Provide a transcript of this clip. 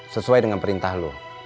sesuai dengan perintah lo